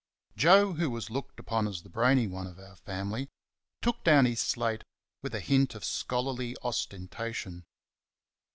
Joe, who was looked upon as the brainy one of our family, took down his slate with a hint of scholarly ostentation.